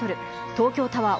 東京タワー